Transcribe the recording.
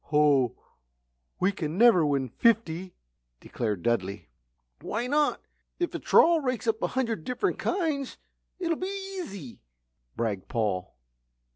"Hoh, we can never win fifty!" declared Dudley. "Why not if a trawl rakes up a hundred different kinds, it'll be easy," bragged Paul.